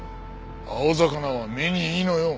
青魚は目にいいのよ。